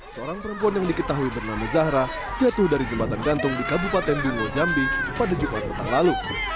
seorang perempuan yang diketahui bernama zahra jatuh dari jembatan gantung di kabupaten bungo jambi pada jumat petang lalu